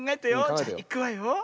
じゃいくわよ。